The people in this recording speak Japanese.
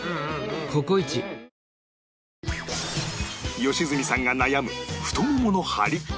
良純さんが悩む太ももの張り